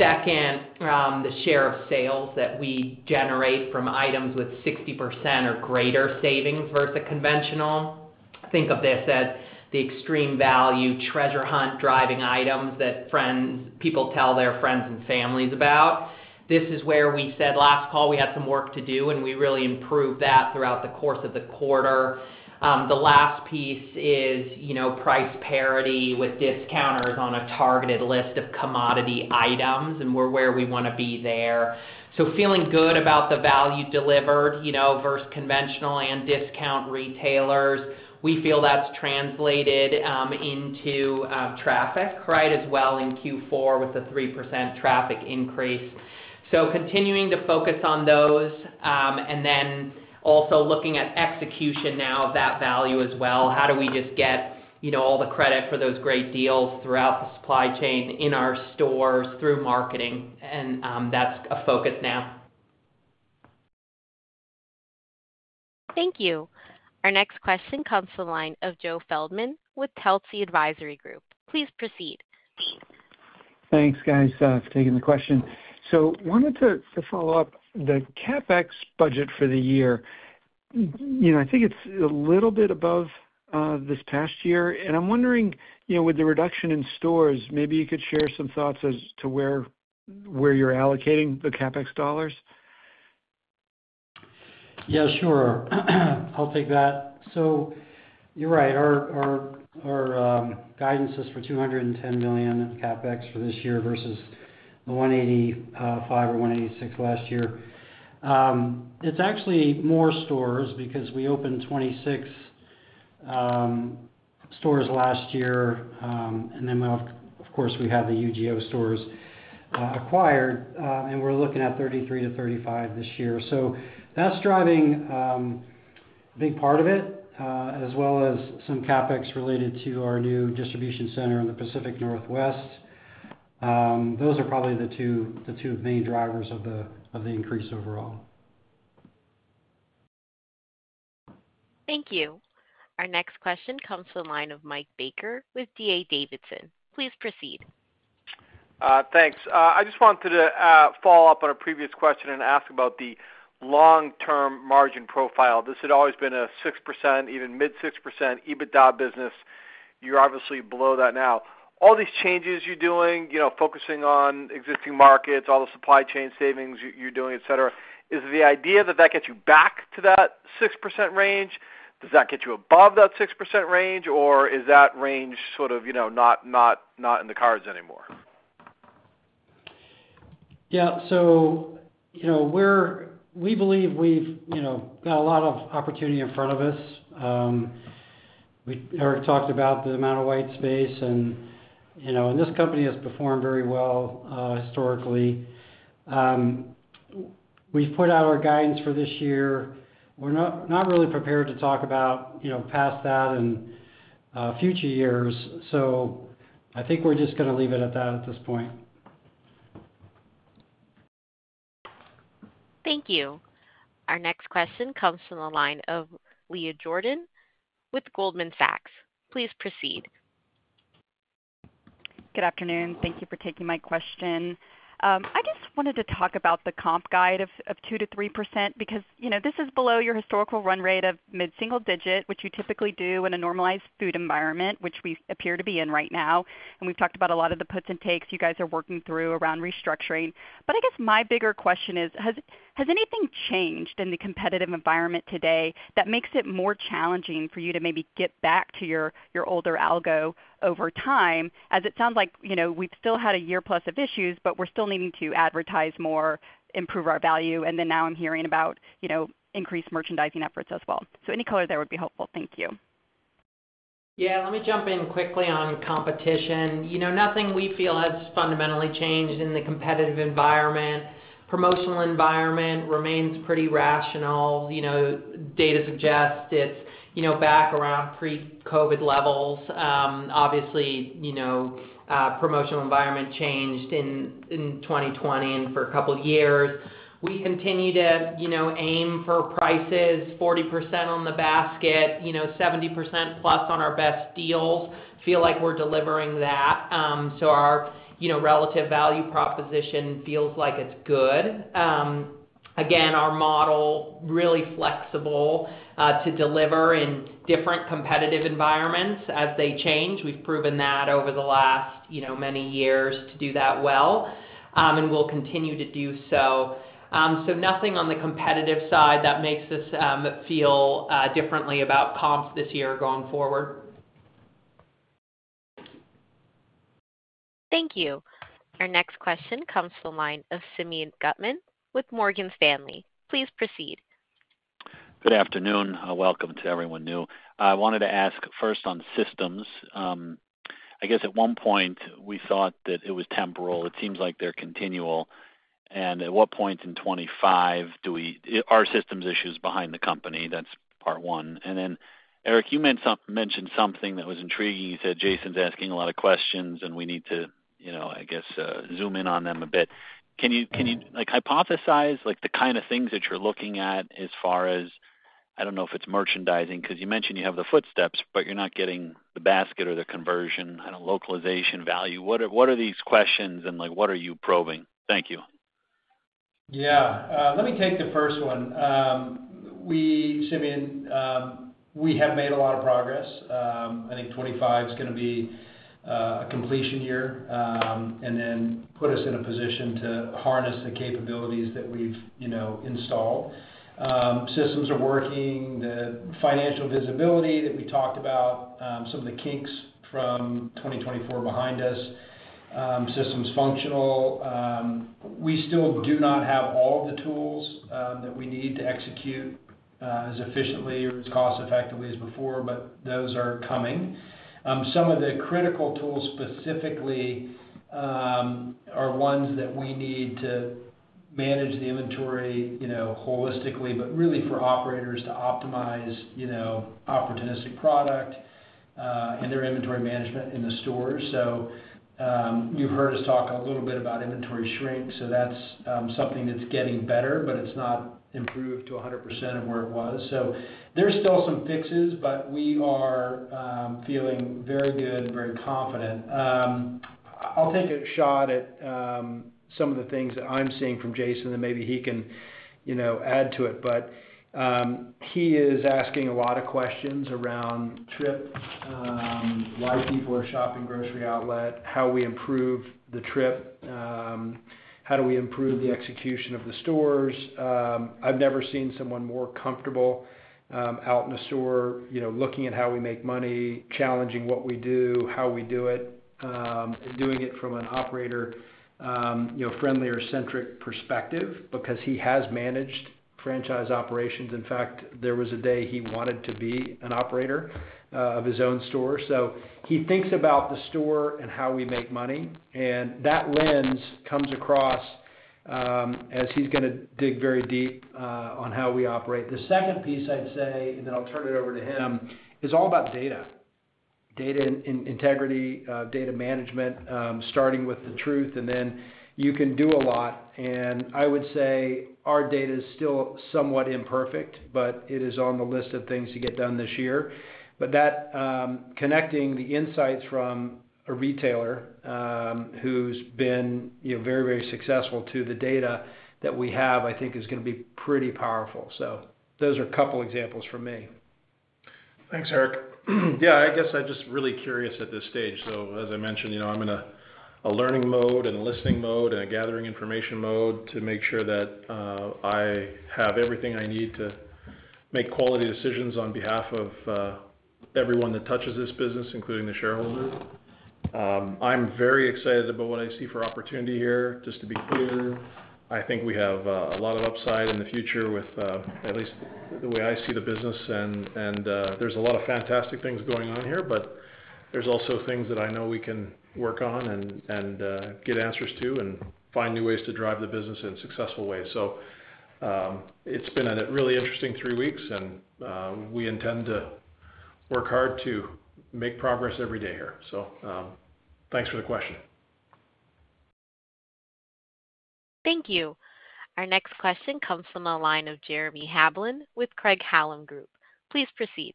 Second, the share of sales that we generate from items with 60% or greater savings versus a conventional. Think of this as the extreme value treasure hunt driving items that people tell their friends and families about. This is where we said last call we had some work to do, and we really improved that throughout the course of the quarter. The last piece is price parity with discounters on a targeted list of commodity items, and we're where we want to be there. So feeling good about the value delivered versus conventional and discount retailers. We feel that's translated into traffic, right, as well in Q4 with the 3% traffic increase. So continuing to focus on those and then also looking at execution now of that value as well. How do we just get all the credit for those great deals throughout the supply chain in our stores through marketing? And that's a focus now. Thank you. Our next question comes from the line of Joe Feldman with Telsey Advisory Group. Please proceed. Thanks, guys, for taking the question. So wanted to follow up the CapEx budget for the year. I think it's a little bit above this past year. And I'm wondering, with the reduction in stores, maybe you could share some thoughts as to where you're allocating the CapEx dollars? Yeah, sure. I'll take that. So you're right. Our guidance is for $210 million in CapEx for this year versus the $185 million or $186 million last year. It's actually more stores because we opened 26 stores last year, and then, of course, we have the UGO stores acquired, and we're looking at 33 to 35 this year, so that's driving a big part of it, as well as some CapEx related to our new distribution center in the Pacific Northwest. Those are probably the two main drivers of the increase overall. Thank you. Our next question comes from the line of Mike Baker with D.A. Davidson. Please proceed. Thanks. I just wanted to follow up on a previous question and ask about the long-term margin profile. This had always been a 6%, even mid-6% EBITDA business. You're obviously below that now. All these changes you're doing, focusing on existing markets, all the supply chain savings you're doing, etc., is the idea that that gets you back to that 6% range? Does that get you above that 6% range, or is that range sort of not in the cards anymore? Yeah. So we believe we've got a lot of opportunity in front of us. We talked about the amount of white space. And this company has performed very well historically. We've put out our guidance for this year. We're not really prepared to talk about past that and future years. So I think we're just going to leave it at that at this point. Thank you. Our next question comes from the line of Leah Jordan with Goldman Sachs. Please proceed. Good afternoon. Thank you for taking my question. I just wanted to talk about the comp guide of 2%-3% because this is below your historical run rate of mid-single digit, which you typically do in a normalized food environment, which we appear to be in right now. And we've talked about a lot of the puts and takes you guys are working through around restructuring. But I guess my bigger question is, has anything changed in the competitive environment today that makes it more challenging for you to maybe get back to your older algo over time? As it sounds like we've still had a year-plus of issues, but we're still needing to advertise more, improve our value, and then now I'm hearing about increased merchandising efforts as well. So any color there would be helpful. Thank you. Yeah. Let me jump in quickly on competition. Nothing we feel has fundamentally changed in the competitive environment. Promotional environment remains pretty rational. Data suggests it's back around pre-COVID levels. Obviously, promotional environment changed in 2020 and for a couple of years. We continue to aim for prices 40% on the basket, 70% plus on our best deals. Feel like we're delivering that. So our relative value proposition feels like it's good. Again, our model really flexible to deliver in different competitive environments as they change. We've proven that over the last many years to do that well, and we'll continue to do so. So nothing on the competitive side that makes us feel differently about comps this year going forward. Thank you. Our next question comes from the line of Simeon Gutman with Morgan Stanley. Please proceed. Good afternoon. Welcome to everyone new. I wanted to ask first on systems. I guess at one point, we thought that it was temporary. It seems like they're continual. And at what point in 2025 do we put our systems issues behind the company? That's part one. And then, Eric, you mentioned something that was intriguing. You said Jason's asking a lot of questions, and we need to, I guess, zoom in on them a bit. Can you hypothesize the kind of things that you're looking at as far as - I don't know if it's merchandising because you mentioned you have the foot traffic, but you're not getting the basket or the conversion, I don't know, localization, value? What are these questions, and what are you probing? Thank you. Yeah. Let me take the first one. Simeon, we have made a lot of progress. I think 2025 is going to be a completion year and then put us in a position to harness the capabilities that we've installed. Systems are working. The financial visibility that we talked about, some of the kinks from 2024 behind us. Systems functional. We still do not have all of the tools that we need to execute as efficiently or as cost-effectively as before, but those are coming. Some of the critical tools specifically are ones that we need to manage the inventory holistically, but really for operators to optimize opportunistic product and their inventory management in the stores. So you've heard us talk a little bit about inventory shrink. So that's something that's getting better, but it's not improved to 100% of where it was. So there's still some fixes, but we are feeling very good, very confident. I'll take a shot at some of the things that I'm seeing from Jason that maybe he can add to it. But he is asking a lot of questions around trip, why people are shopping Grocery Outlet, how we improve the trip, how do we improve the execution of the stores. I've never seen someone more comfortable out in a store looking at how we make money, challenging what we do, how we do it, and doing it from an operator-friendly or operator-centric perspective because he has managed franchise operations. In fact, there was a day he wanted to be an operator of his own store. So he thinks about the store and how we make money. And that lens comes across as he's going to dig very deep on how we operate. The second piece, I'd say, and then I'll turn it over to him, is all about data, data integrity, data management, starting with the truth, and then you can do a lot, and I would say our data is still somewhat imperfect, but it is on the list of things to get done this year, but connecting the insights from a retailer who's been very, very successful to the data that we have, I think, is going to be pretty powerful, so those are a couple of examples for me. Thanks, Eric. Yeah, I guess I'm just really curious at this stage, so as I mentioned, I'm in a learning mode and a listening mode and a gathering information mode to make sure that I have everything I need to make quality decisions on behalf of everyone that touches this business, including the shareholders. I'm very excited about what I see for opportunity here. Just to be clear, I think we have a lot of upside in the future with at least the way I see the business, and there's a lot of fantastic things going on here, but there's also things that I know we can work on and get answers to and find new ways to drive the business in a successful way, so it's been a really interesting three weeks, and we intend to work hard to make progress every day here, so thanks for the question. Thank you. Our next question comes from the line of Jeremy Hamblin with Craig-Hallum Capital Group. Please proceed.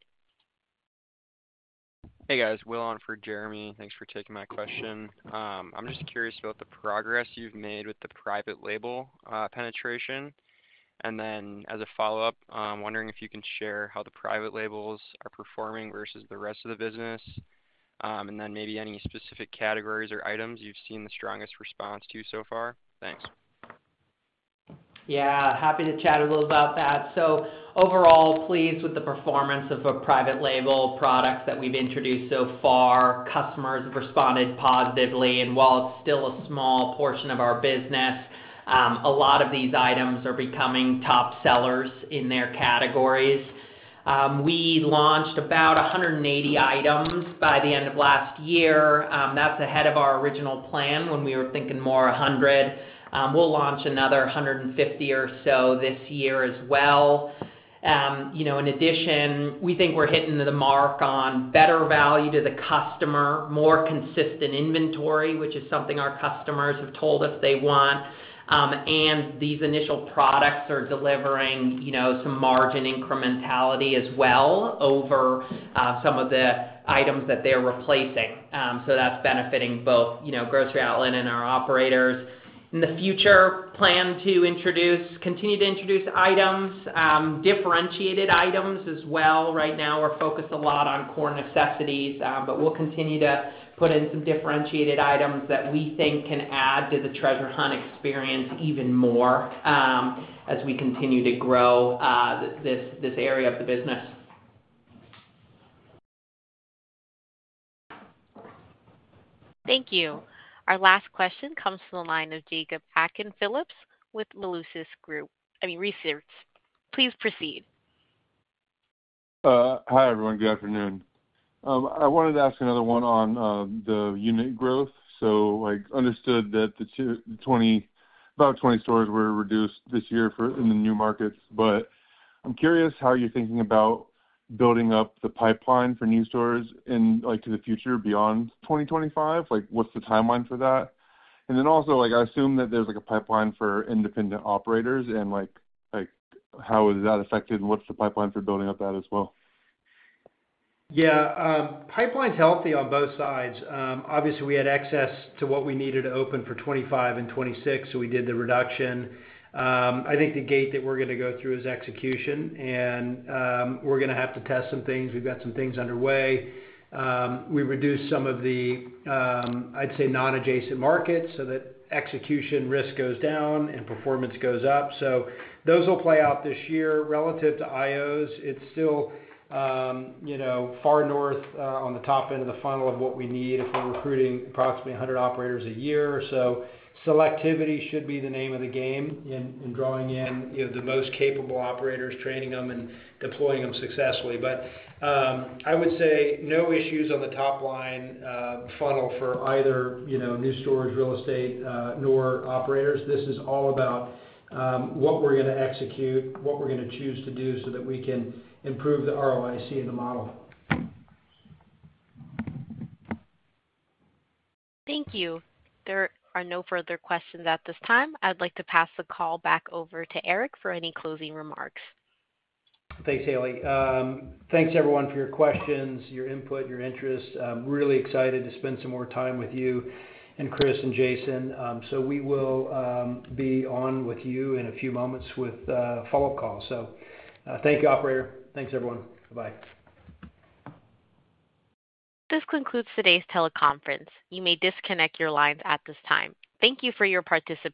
Hey, guys. Will on for Jeremy. Thanks for taking my question. I'm just curious about the progress you've made with the private label penetration. And then as a follow-up, I'm wondering if you can share how the private labels are performing versus the rest of the business, and then maybe any specific categories or items you've seen the strongest response to so far. Thanks. Yeah. Happy to chat a little about that. So overall, pleased with the performance of a private label product that we've introduced so far. Customers have responded positively. And while it's still a small portion of our business, a lot of these items are becoming top sellers in their categories. We launched about 180 items by the end of last year. That's ahead of our original plan when we were thinking more 100. We'll launch another 150 or so this year as well. In addition, we think we're hitting the mark on better value to the customer, more consistent inventory, which is something our customers have told us they want. And these initial products are delivering some margin incrementality as well over some of the items that they're replacing. So that's benefiting both Grocery Outlet and our operators. In the future, plan to continue to introduce items, differentiated items as well. Right now, we're focused a lot on core necessities, but we'll continue to put in some differentiated items that we think can add to the Treasure Hunt experience even more as we continue to grow this area of the business. Thank you. Our last question comes from the line of Jacob Aiken-Phillips with Melius Research. I mean, research. Please proceed. Hi, everyone. Good afternoon. I wanted to ask another one on the unit growth. So I understood that about 20 stores were reduced this year in the new markets. But I'm curious how you're thinking about building up the pipeline for new stores into the future beyond 2025. What's the timeline for that? And then also, I assume that there's a pipeline for independent operators, and how is that affected? What's the pipeline for building up that as well? Yeah. Pipeline's healthy on both sides. Obviously, we had excess to what we needed to open for 2025 and 2026, so we did the reduction. I think the gate that we're going to go through is execution, and we're going to have to test some things. We've got some things underway. We reduced some of the, I'd say, non-adjacent markets so that execution risk goes down and performance goes up. So those will play out this year. Relative to IOs, it's still far north on the top end of the funnel of what we need if we're recruiting approximately 100 operators a year. So selectivity should be the name of the game in drawing in the most capable operators, training them, and deploying them successfully. But I would say no issues on the top-line funnel for either new stores, real estate, or operators. This is all about what we're going to execute, what we're going to choose to do so that we can improve the ROIC and the model. Thank you. There are no further questions at this time. I'd like to pass the call back over to Eric for any closing remarks. Thanks, Haley. Thanks, everyone, for your questions, your input, your interest. Really excited to spend some more time with you and Chris and Jason. So we will be on with you in a few moments with a follow-up call. So thank you, operator. Thanks, everyone. Bye-bye. This concludes today's teleconference. You may disconnect your lines at this time. Thank you for your participation.